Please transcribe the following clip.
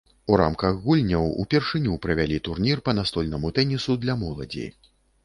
У рамках гульняў ўпершыню правялі турнір па настольнаму тэнісу для моладзі.